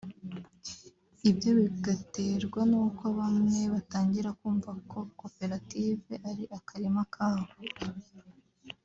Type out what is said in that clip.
ibyo bigaterwa n’uko bamwe batangira kumva ko koperative ari akarima kabo